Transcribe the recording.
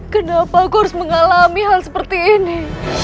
kenapa aku harus mengalami hal seperti ini